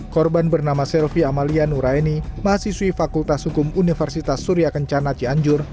korban bernama selvi amalia nuraini mahasiswi fakultas hukum universitas surya kencana cianjur